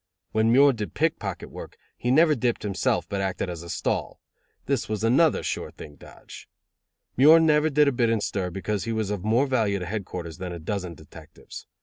When Muir did pickpocket work, he never dipped himself, but acted as a stall. This was another sure thing dodge. Muir never did a bit in stir because he was of more value to headquarters than a dozen detectives.